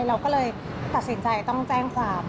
เราก็เลยตัดสินใจต้องแจ้งความ